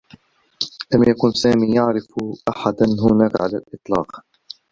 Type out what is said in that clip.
لم يكن سامي يعرف أحدا هناك على الإطلاق.